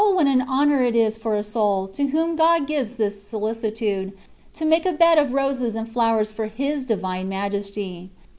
what an honour it is for a soul, to whom God gives this solicitude, to make a bed of roses and flowers for His Divine Majesty